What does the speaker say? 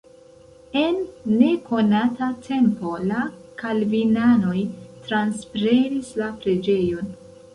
En nekonata tempo la kalvinanoj transprenis la preĝejon.